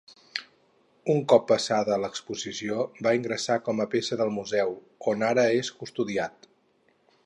Un cop passada l'exposició va ingressar com a peça del museu, on ara és custodiat.